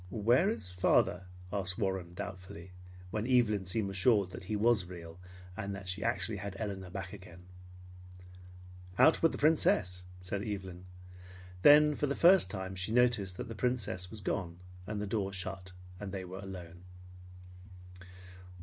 "Where is father?" asked Warren doubtfully, when Evelyn seemed assured that he was real, and that she actually had Elinor back again. "Out with the Princess," said Evelyn. Then for the first time she noticed that the Princess was gone, and the door shut, and they were alone.